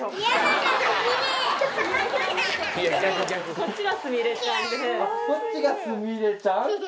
こっちがすみれちゃんで。